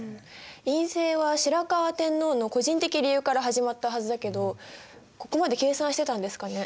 院政は白河天皇の個人的理由から始まったはずだけどここまで計算してたんですかね？